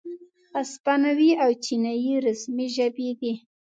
اسپانوي او چینایي رسمي ژبې دي.